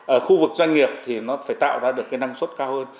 ở khu vực doanh nghiệp thì nó phải tạo ra được cái năng suất cao hơn